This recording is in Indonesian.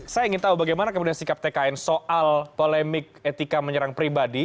saya ingin tahu bagaimana kemudian sikap tkn soal polemik etika menyerang pribadi